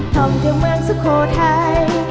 ท่องเที่ยวเมืองสุโขทัย